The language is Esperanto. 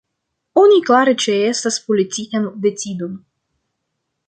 Oni klare ĉeestas politikan decidon.